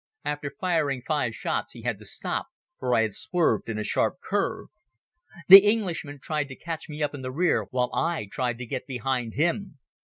After firing five shots he had to stop for I had swerved in a sharp curve. The Englishman tried to catch me up in the rear while I tried to get behind him.